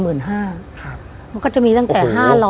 มันก็จะมีตั้งแต่๕๐๐